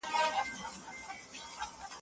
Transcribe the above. هغه ولي مړ ږدن ډنډ ته نږدې ګڼي؟